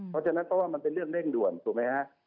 เพราะฉะนั้นเพราะว่ามันเป็นเรื่องเร่งด่วนถูกไหมฮะ